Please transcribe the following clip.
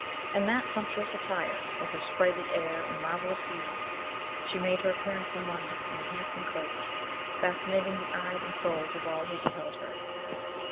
In that sumptuous attire, with her sprightly air and marvellous beauty, she made her appearance in London in a handsome coach, fascinating the eyes and souls of all who beheld her.